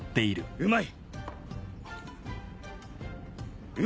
うまい！